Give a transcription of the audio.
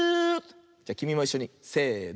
じゃきみもいっしょにせの。